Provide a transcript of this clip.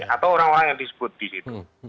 atau orang orang yang disebut di situ